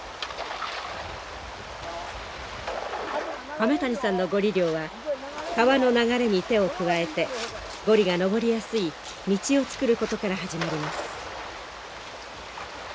亀谷さんのゴリ漁は川の流れに手を加えてゴリが上りやすい道を作ることから始まります。